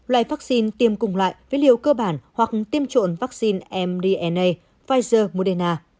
loại vaccine tiêm cùng loại với liều cơ bản hoặc tiêm trộn vaccine mdna pfizer moderna